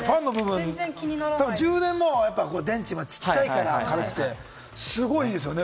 充電の電池もちっちゃいから、軽くてすごいですよね。